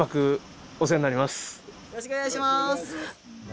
よろしくお願いします。